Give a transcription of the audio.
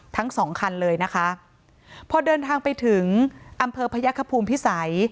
ทั้งสองคันเลยนะคะพอเดินทางไปถึงอำเภอพยักษภูมิพิสัย